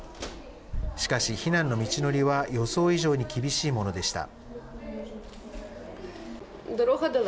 しかし、避難の道のりは予想以上に厳しいものでした。